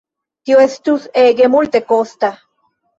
Tio estus ege multekosta.